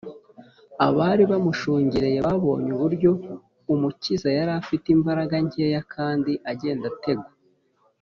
abari bamushungereye babonye uburyo umukiza yari afite imbaraga nkeya kandi agenda ategwa